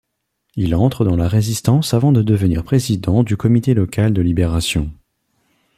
Il entre dans la Résistance avant de devenir président du Comité local de Libération.